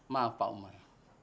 maaf pak umar